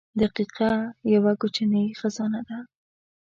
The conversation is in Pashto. • دقیقه یوه کوچنۍ خزانه ده.